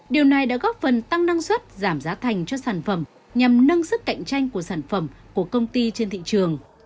điều này đã góp phần tăng năng suất giảm giá thành cho sản phẩm nhằm nâng sức cạnh tranh của sản phẩm của công ty trên thị trường